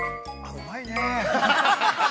うまいねえ。